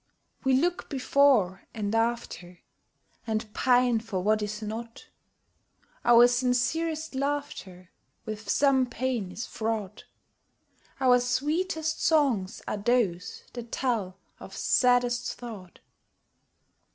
We look before and after, And pine for what is not: Our sincerest laughter With some pain is fraught; Our sweetest songs are those that tell of saddest thought.